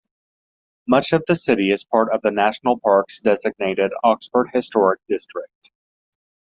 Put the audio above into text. Much of the city is part of the National Parks-designated Oxford Historic District.